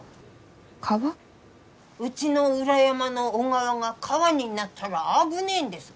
うちの裏山の小川が川になったら危ねえんです。